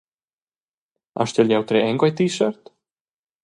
Astgel jeu trer en quei t-shirt?